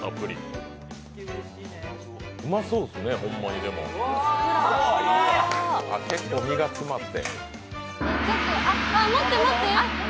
うまそうですね、結構身が詰まって。